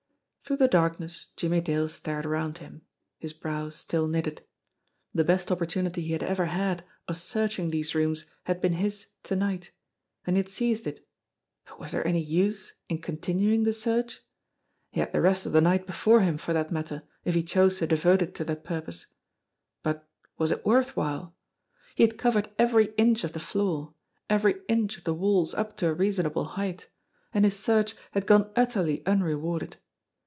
THE VOICE 191 Through the darkness Jimmie Dale stared around him, his brows still knitted. The best opportunity he had ever had of searching these rooms had been his to night, and he had seized it, but was there any use in continuing the search ? He had the rest of the night before him, for that matter, if he chose to devote it to that purpose but was it worth while? He had covered every inch of the floor, every inch of the walls up to a reasonable height, and his search had gone utterly unrewarded.